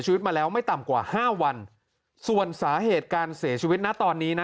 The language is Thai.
มาแล้วไม่ต่ำกว่าห้าวันส่วนสาเหตุการเสียชีวิตนะตอนนี้นะ